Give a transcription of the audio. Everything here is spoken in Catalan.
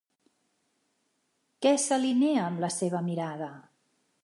Què s'alinea amb la seva mirada?